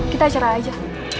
kita cerai aja